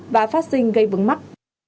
và phát sinh gây vững mắt